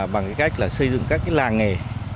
bằng cách xây dựng các làng nghề